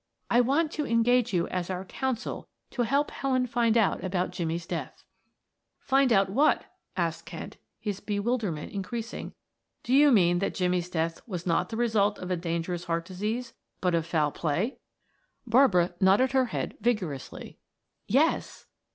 "I want to engage you as our counsel to help Helen find out about Jimmie's death." "Find out what?" asked Kent, his bewilderment increasing. "Do you mean that Jimmie's death was not the result of a dangerous heart disease, but of foul play?" Barbara nodded her head vigorously. "Yes."